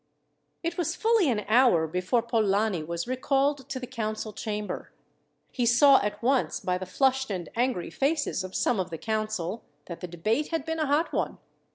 It was fully an hour before Polani was recalled to the council chamber. He saw at once, by the flushed and angry faces of some of the council, that the debate had been a hot one.